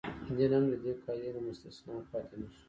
دین هم د دې قاعدې له مستثنا پاتې نه شو.